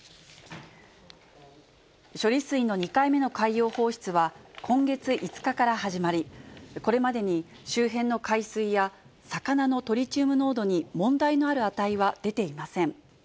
処理水の２回目の海洋放出は、今月５日から始まり、これまでに周辺の海水や魚のトリチウム濃度に問題のある値は出ていません。